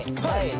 はい！